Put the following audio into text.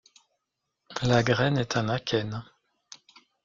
La graine est un akène.